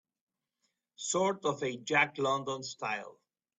Sort of a Jack London style?